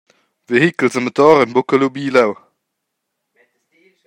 Vehichels a motor ein buca lubi leu.